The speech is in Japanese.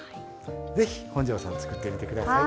ぜひ本上さん作ってみてください。